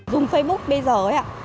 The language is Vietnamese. dùng facebook bây giờ ấy ạ